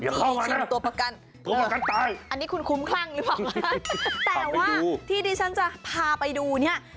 อย่าเข้ามานะตัวประกันตายอันนี้คุณคุ้มครั่งหรือเปล่านะฮะแต่ว่าที่ดิฉันจะพาไปดูเนี่ย